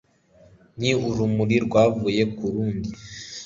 ni urumuri rwavuye ku rundi